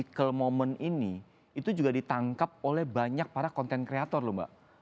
magical moment ini itu juga ditangkap oleh banyak para konten kreator loh mbak